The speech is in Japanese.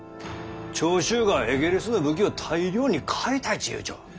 長州がエゲレスの武器を大量に買いたいっちゅうとる。